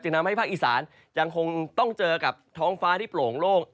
ทำให้ภาคอีสานยังคงต้องเจอกับท้องฟ้าที่โปร่งโล่ง